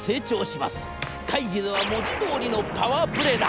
会議では文字どおりのパワープレーだ。